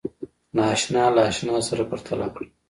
ناآشنا له آشنا سره پرتله کړئ